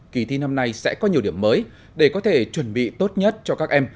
kỳ thi năm nay sẽ có nhiều điểm mới để có thể chuẩn bị tốt nhất cho các em